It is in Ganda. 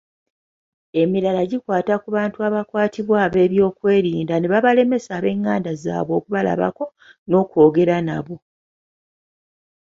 Emirala gikwata ku bantu abaakwatiddwa ab'ebyokwerinda ne babalemesa ab'enganda zaabwe okubalabako n'okwogera nabo.